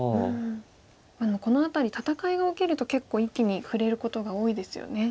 この辺り戦いが起きると結構一気に振れることが多いですよね。